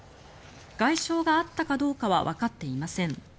外傷があったかどうかはわかっていません。